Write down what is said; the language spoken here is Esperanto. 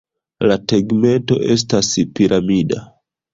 La tegmento estas piramida.